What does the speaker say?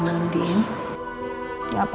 gak apa apa ma aku ngerti kamu masalah perasaan mama